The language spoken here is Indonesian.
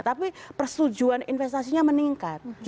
tapi persetujuan investasinya meningkat